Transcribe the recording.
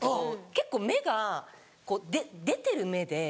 結構目がこう出てる目で。